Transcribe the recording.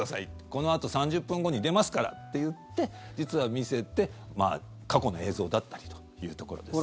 このあと３０分後に出ますからって言って実は見せて、過去の映像だったりというところですね。